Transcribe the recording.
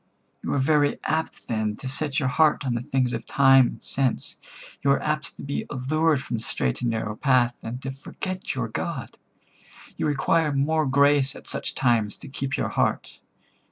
You are very apt then to set your heart on the things of time and sense. You are apt to be allured from the straight and narrow path, and to forget your God. You require more grace at such times to keep your heart.